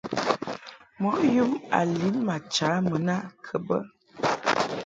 Mɔʼ yum a lin ma cha mun a kɨ bɛ.